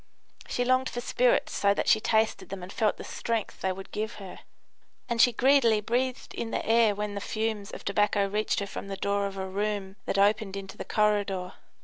She longed for spirits so that she tasted them and felt the strength they would give her; and she greedily breathed in the air when the fumes of tobacco reached her from the door of a room that opened into the corridor.